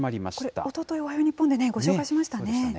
これ、おととい、おはよう日本でご紹介しましたね。